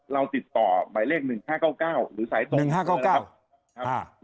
เราติดต่อบ่ายเลข๑๕๙๙หรือไซสตรงหรือโทร๑๕๙๙